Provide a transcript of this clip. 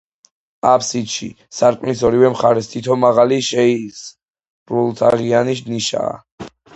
აფსიდში, სარკმლის ორივე მხარეს, თითო, მაღალი, შეისრულთაღიანი ნიშაა.